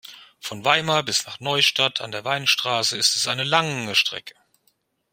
Von Weimar bis nach Neustadt an der Weinstraße ist es eine lange Strecke